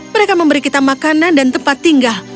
mereka memberi kita makanan dan tempat tinggal